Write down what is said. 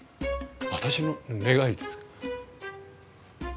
私の願いですか。